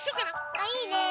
あいいね。